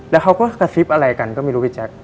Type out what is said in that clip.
แล้วเขาก็กระซิบอะไรกันก็ไม่รู้พี่แจ๊ค